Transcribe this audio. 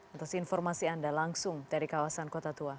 atas informasi anda langsung dari kawasan kota tua